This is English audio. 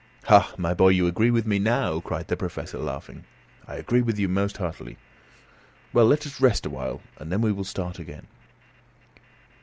"Ah, my boy! you agree with me now," cried the Professor, laughing. "I agree with you most heartily." "Well, let us rest awhile; and then we will start again."